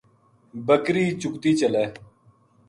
بکری چُگتی چلے